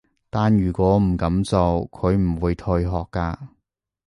但如果唔噉做，佢唔會退學㗎